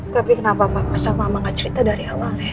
tapi kenapa papa sama mama gak ceritain